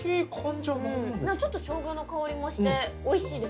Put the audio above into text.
ちょっと生姜の香りもしておいしいですね。